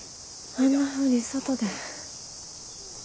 あんなふうに外で。